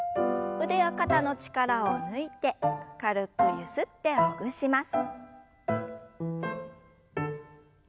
腕や肩の力を抜いて軽くゆすってほぐします。